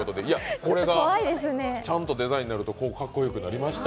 これがちゃんとデザインになると、かっこよくなりました。